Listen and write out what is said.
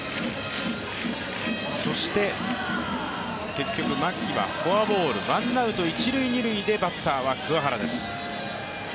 結局牧はフォアボール、ワンアウト一・二塁でバッターは桑原です。